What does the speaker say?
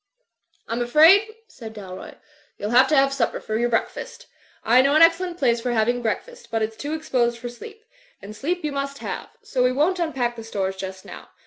'l*m afraid," said Dalroy, "youTl have to have your supper for breakfast I know an excellent place for having breakfast, but it's too exposed for sleep. And sleep you must have; so we won't unpack the stores just now.